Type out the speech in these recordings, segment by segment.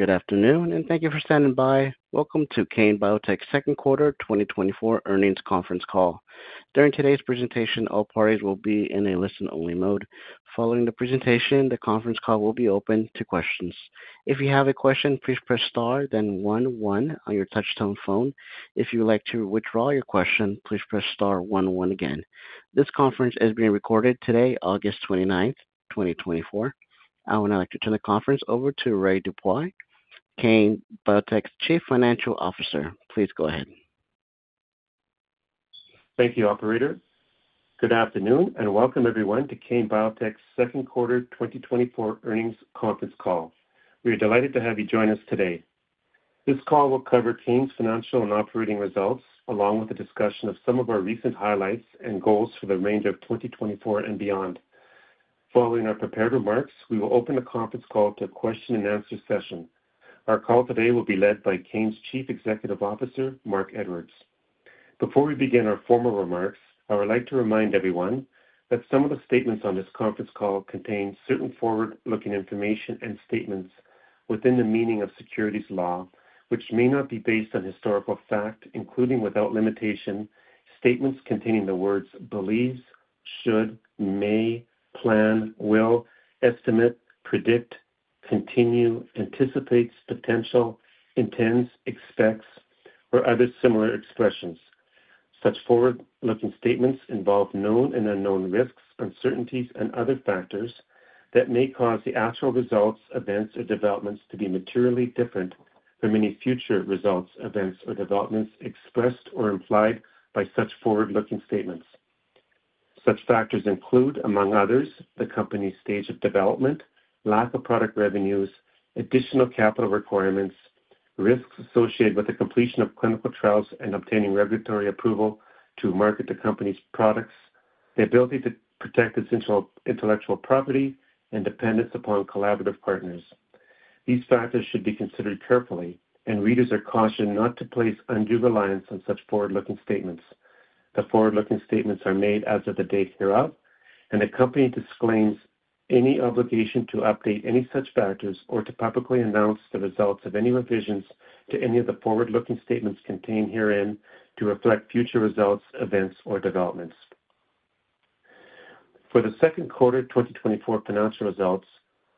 Good afternoon, and thank you for standing by. Welcome to Kane Biotech's Q2 2024 Earnings Conference Call. During today's presentation, all parties will be in a listen-only mode. Following the presentation, the conference call will be open to questions. If you have a question, please press star then one one on your touchtone phone. If you would like to withdraw your question, please press star one one again. This conference is being recorded today, August 29, 2024. I would now like to turn the conference over to Ray Dupuis, Kane Biotech's Chief Financial Officer. Please go ahead. Thank you, operator. Good afternoon, and welcome everyone to Kane Biotech's Q2 2024 Earnings Conference Call. We are delighted to have you join us today. This call will cover Kane's financial and operating results, along with a discussion of some of our recent highlights and goals for the range of 2024 and beyond. Following our prepared remarks, we will open the conference call to a question-and-answer session. Our call today will be led by Kane's Chief Executive Officer, Marc Edwards. Before we begin our formal remarks, I would like to remind everyone that some of the statements on this conference call contain certain forward-looking information and statements within the meaning of securities law, which may not be based on historical fact, including without limitation, statements containing the words believes, should, may, plan, will, estimate, predict, continue, anticipates, potential, intends, expects, or other similar expressions. Such forward-looking statements involve known and unknown risks, uncertainties, and other factors that may cause the actual results, events, or developments to be materially different from any future results, events, or developments expressed or implied by such forward-looking statements. Such factors include, among others, the company's stage of development, lack of product revenues, additional capital requirements, risks associated with the completion of clinical trials and obtaining regulatory approval to market the company's products, the ability to protect essential intellectual property, and dependence upon collaborative partners. These factors should be considered carefully, and readers are cautioned not to place undue reliance on such forward-looking statements. The forward-looking statements are made as of the date thereof, and the company disclaims any obligation to update any such factors or to publicly announce the results of any revisions to any of the forward-looking statements contained herein to reflect future results, events, or developments. For Q2 2024 financial results,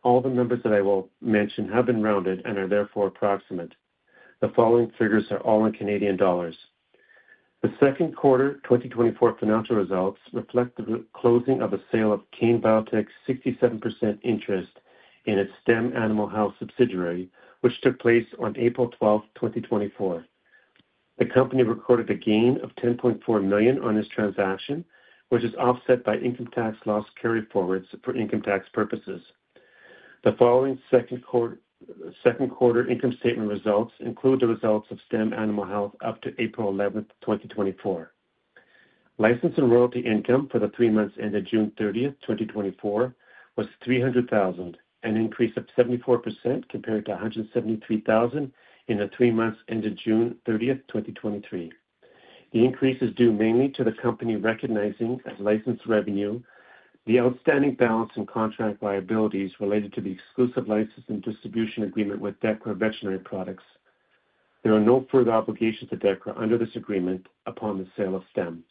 all the numbers that I will mention have been rounded and are therefore approximate. The following figures are all in Canadian dollars. The Q2 2024 financial results reflect the closing of a sale of Kane Biotech's 67% interest in its STEM Animal Health subsidiary, which took place on April 12, 2024. The company recorded a gain of 10.4 million on this transaction, which is offset by income tax loss carried forwards for income tax purposes. The following Q2 income statement results include the results of STEM Animal Health up to April 11, 2024. License and royalty income for the three months ended June 30, 2024, was 300,000, an increase of 74% compared to 173,000 in the three months ended June 30, 2023. The increase is due mainly to the company recognizing as licensed revenue the outstanding balance in contract liabilities related to the exclusive license and distribution agreement with Dechra Veterinary Products. There are no further obligations to Dechra under this agreement upon the sale of STEM.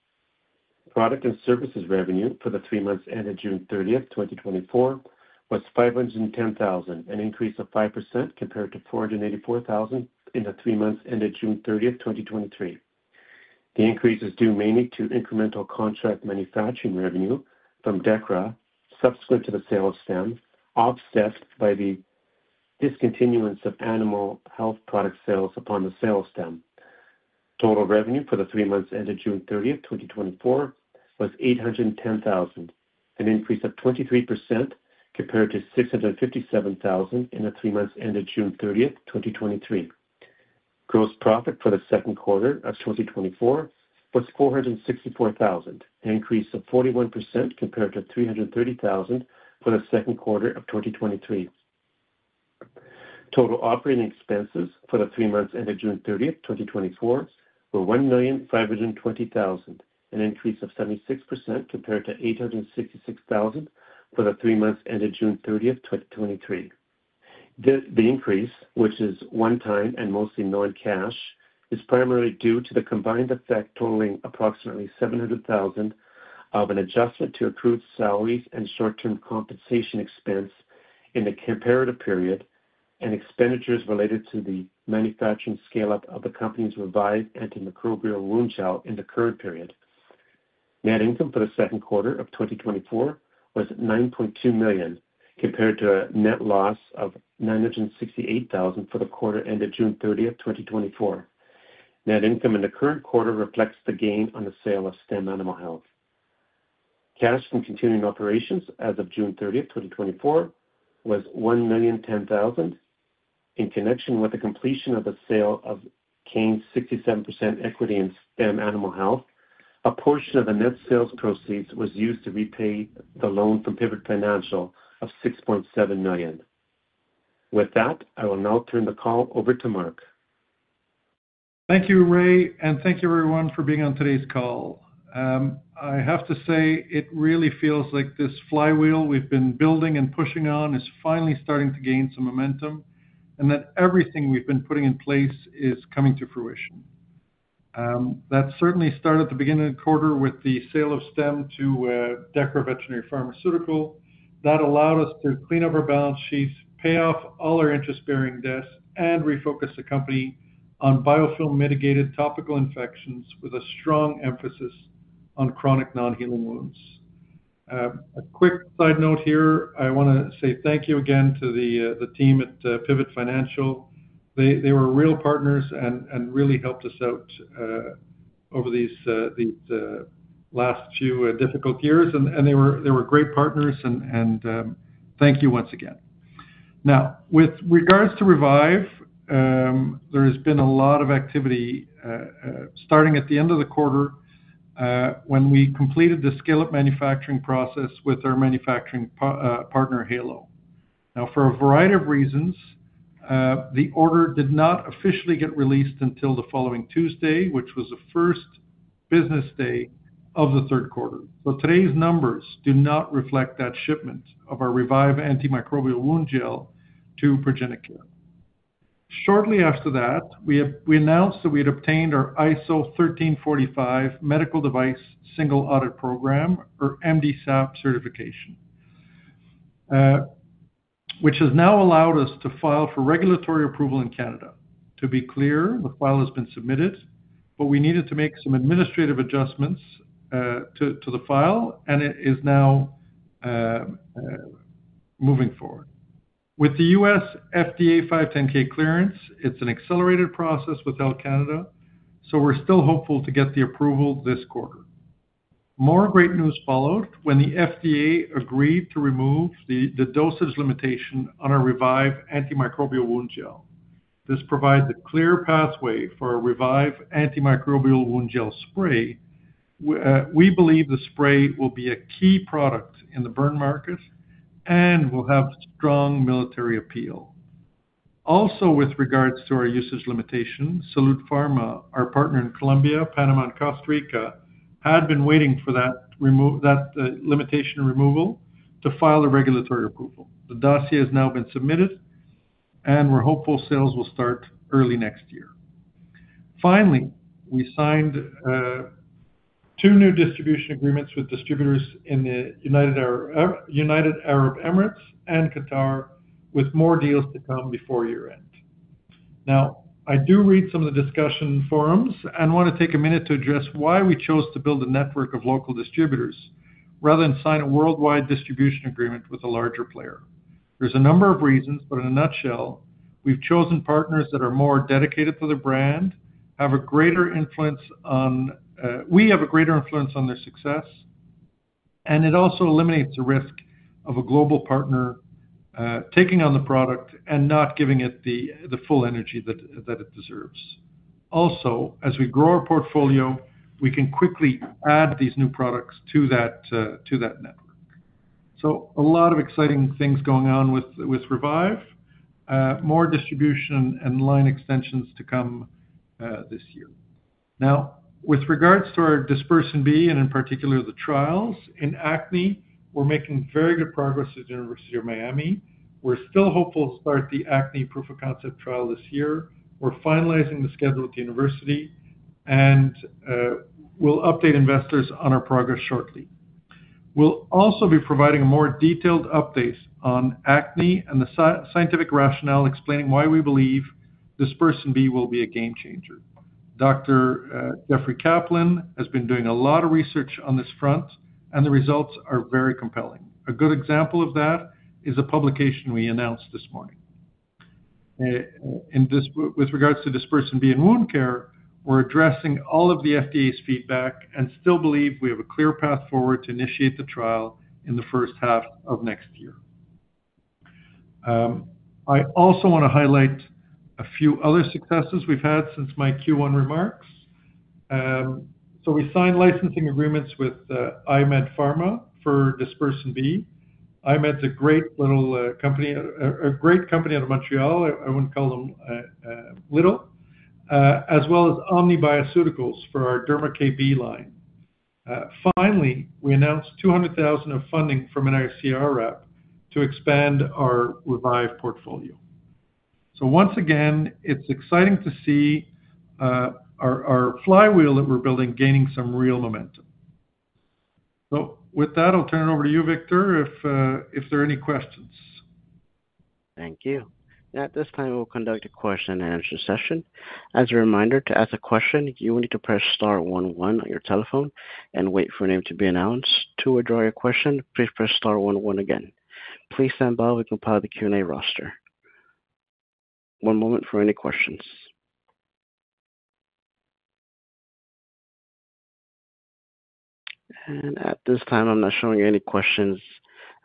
Product and services revenue for the three months ended June thirtieth, twenty twenty-four, was 510,000, an increase of 5% compared to 484,000 in the three months ended June 30, 2023. The increase is due mainly to incremental contract manufacturing revenue from Dechra subsequent to the sale of STEM, offset by the discontinuance of animal health product sales upon the sale of STEM. Total revenue for the three months ended June 30, 2024, was 810,000, an increase of 23% compared to 657,000 in the three months ended June 30, 2023. Gross profit for the Q2 of 2024 was 464,000, an increase of 41% compared to 330,000 for the Q2 of 2023. Total operating expenses for the three months ended June 30, 2024, were 1,520,000, an increase of 76% compared to 866,000 for the three months ended June 30, 2023. The increase, which is one-time and mostly non-cash, is primarily due to the combined effect totaling approximately 700,000 of an adjustment to accrued salaries and short-term compensation expense in the comparative period, and expenditures related to the manufacturing scale-up of the company's Revive Antimicrobial Wound Gel in the current period. Net income for the Q2 of 2024 was 9.2 million, compared to a net loss of 968,000 for the quarter ended June 30, 2024. Net income in the current quarter reflects the gain on the sale of STEM Animal Health. Cash from continuing operations as of June 30, 2024, was 1,010,000. In connection with the completion of the sale of Kane's 67% equity in STEM Animal Health, a portion of the net sales proceeds was used to repay the loan from Pivot Financial of 6.7 million. With that, I will now turn the call over to Marc. Thank you, Ray, and thank you everyone for being on today's call. I have to say, it really feels like this flywheel we've been building and pushing on is finally starting to gain some momentum, and that everything we've been putting in place is coming to fruition. That certainly started at the beginning of the quarter with the sale of STEM to Dechra Veterinary Products. That allowed us to clean up our balance sheets, pay off all our interest-bearing debts, and refocus the company on biofilm-mitigated topical infections, with a strong emphasis on chronic non-healing wounds. A quick side note here. I wanna say thank you again to the team at Pivot Financial. They were real partners and really helped us out over these last few difficult years. They were great partners, and thank you once again. Now, with regards to Revive, there has been a lot of activity starting at the end of the quarter when we completed the scale-up manufacturing process with our manufacturing partner, Halo. Now, for a variety of reasons, the order did not officially get released until the following Tuesday, which was the first business day of Q3. So today's numbers do not reflect that shipment of our Revive Antimicrobial Wound Gel to ProGeniCare. Shortly after that, we announced that we had obtained our ISO 13485 Medical Device Single Audit Program, or MDSAP, certification, which has now allowed us to file for regulatory approval in Canada. To be clear, the file has been submitted, but we needed to make some administrative adjustments to the file, and it is now moving forward. With the U.S. FDA 510(k) clearance, it's an accelerated process with Health Canada, so we're still hopeful to get the approval this quarter. More great news followed when the FDA agreed to remove the dosage limitation on our Revive Antimicrobial Wound Gel. This provides a clear pathway for our Revive Antimicrobial Wound Gel Spray. We believe the spray will be a key product in the burn market and will have strong military appeal. Also, with regards to our usage limitations, Salud Pharma, our partner in Colombia, Panama, and Costa Rica, had been waiting for that limitation removal to file a regulatory approval. The dossier has now been submitted, and we're hopeful sales will start early next year. Finally, we signed two new distribution agreements with distributors in the United Arab Emirates and Qatar, with more deals to come before year-end. Now, I do read some of the discussion forums and wanna take a minute to address why we chose to build a network of local distributors, rather than sign a worldwide distribution agreement with a larger player. There's a number of reasons, but in a nutshell, we've chosen partners that are more dedicated to the brand, have a greater influence on. We have a greater influence on their success, and it also eliminates the risk of a global partner taking on the product and not giving it the full energy that it deserves. Also, as we grow our portfolio, we can quickly add these new products to that, to that network. So a lot of exciting things going on with, with Revive. More distribution and line extensions to come, this year. Now, with regards to our DispersinB, and in particular, the trials, in acne, we're making very good progress at the University of Miami. We're still hopeful to start the acne proof of concept trial this year. We're finalizing the schedule at the university, and, we'll update investors on our progress shortly. We'll also be providing a more detailed updates on acne and the scientific rationale, explaining why we believe DispersinB will be a game changer. Dr. Jeffrey Kaplan has been doing a lot of research on this front, and the results are very compelling. A good example of that is a publication we announced this morning. With regards to DispersinB and wound care, we're addressing all of the FDA's feedback and still believe we have a clear path forward to initiate the trial in H1 of next year. I also wanna highlight a few other successes we've had since my Q1 remarks. So we signed licensing agreements with I-MED Pharma for DispersinB. I-MED's a great little company, a great company out of Montreal. I wouldn't call them little, as well as Omni-Biotics for our DermaKB line. Finally, we announced 200,000 of funding from NRC IRAP to expand our Revive portfolio. Once again, it's exciting to see our flywheel that we're building gaining some real momentum. So with that, I'll turn it over to you, Victor, if there are any questions. Thank you. At this time, we'll conduct a question and answer session. As a reminder, to ask a question, you will need to press star one one on your telephone and wait for your name to be announced. To withdraw your question, please press star one one again. Please stand by while we compile the Q&A roster. One moment for any questions, and at this time, I'm not showing any questions.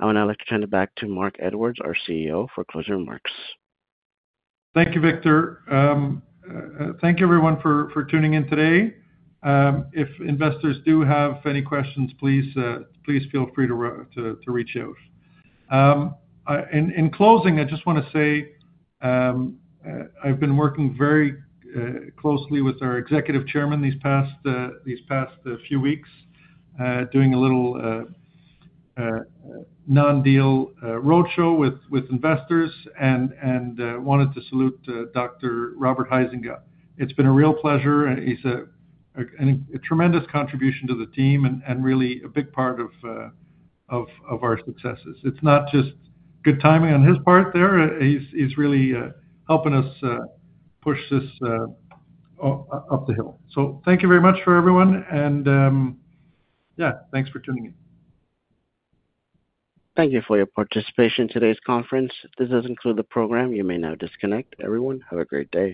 I would now like to turn it back to Marc Edwards, our CEO, for closing remarks. Thank you, Victor. Thank you everyone for tuning in today. If investors do have any questions, please feel free to reach out. In closing, I just wanna say, I've been working very closely with our Executive Chairman these past few weeks, doing a little non-deal roadshow with investors and wanted to salute Dr. Robert Huizenga. It's been a real pleasure, and he's a tremendous contribution to the team and really a big part of our successes. It's not just good timing on his part there. He's really helping us push this up the hill. So thank you very much for everyone, and yeah, thanks for tuning in. Thank you for your participation in today's conference. This does conclude the program. You may now disconnect. Everyone, have a great day.